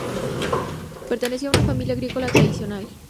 Perteneció a una familia agrícola tradicional.